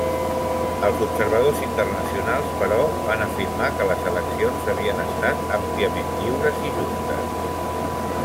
Els observadors internacionals, però, van afirmar que les eleccions havien estat àmpliament lliures i justes.